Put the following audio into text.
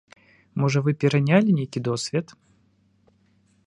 Можа вы перанялі нейкі досвед?